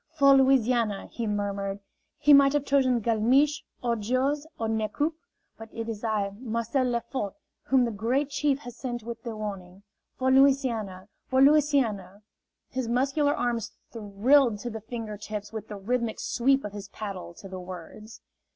"For Louisiana!" he murmured. "He might have chosen Galmiche, or Jose, or Nez Coupe; but it is I, Marcel Lefort, whom the Great Chief has sent with the warning. For Louisiana! For Louisiana!" His muscular arms thrilled to the finger tips with the rhythmic sweep of his paddle to the words.